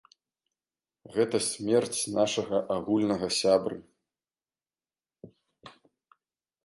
Гэта смерць нашага агульнага сябры.